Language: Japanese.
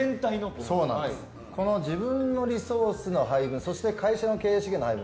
自分のリソースの配分そして会社の経営資源の配分。